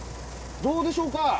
どうでしょうか？